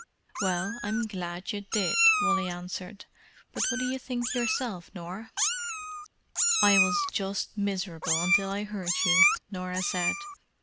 "Well, I'm glad you did," Wally answered, "But what do you think yourself, Nor?" "I was just miserable until I heard you," Norah said.